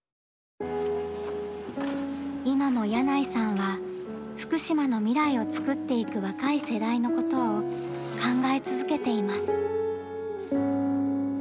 今も箭内さんは福島の未来をつくっていく若い世代のことを考え続けています。